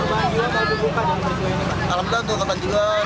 alhamdulillah untuk tempat juga tinggal